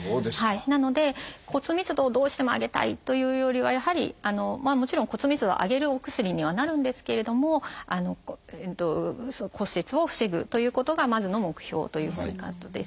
なので骨密度をどうしても上げたいというよりはやはりもちろん骨密度を上げるお薬にはなるんですけれども骨折を防ぐということがまずの目標ということになるんですね。